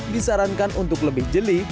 disarankan untuk lebih jeli